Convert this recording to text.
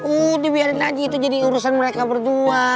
udah biarin aja itu jadi urusan mereka berdua